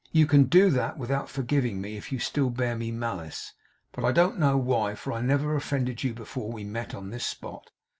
You can do that without forgiving me, if you still bear me malice. But I don't know why; for I never offended you before we met on this spot.